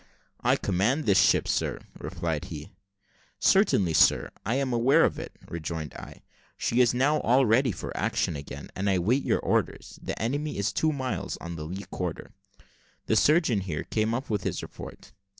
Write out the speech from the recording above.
"I command this ship, sir," replied he. "Certainly, sir, I am aware of it," rejoined I. "She is now all ready for action again, and I wait your orders. The enemy is two miles on the lee quarter." The surgeon here came up with his report.